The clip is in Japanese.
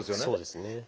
そうですね。